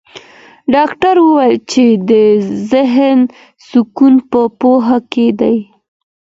ډاکټر وویل چي د ذهن سکون په پوهه کې دی.